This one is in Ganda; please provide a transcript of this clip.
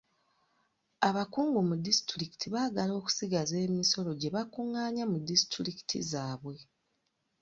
Abakungu mu disitulikii baagala okusigaza emisolo gye baakungaanya mu disitulikiti zaabwe.